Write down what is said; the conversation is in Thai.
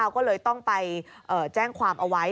ก็เลยต้องไปแจ้งความเอาไว้